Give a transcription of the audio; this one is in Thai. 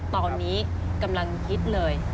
ตอนนี้กำลังคิดเลย